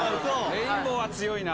レインボーは強いな。